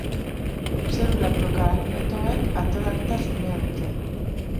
Zelula prokariotek antolaketa xumea dute